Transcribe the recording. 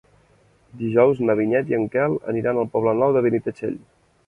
Dijous na Vinyet i en Quel aniran al Poble Nou de Benitatxell.